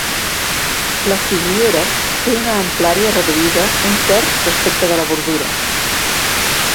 La filiera té una amplària reduïda un terç respecte de la bordura.